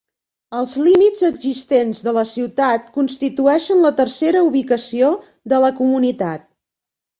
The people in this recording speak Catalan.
Els límits existents de la ciutat constitueixen la tercera ubicació de la comunitat.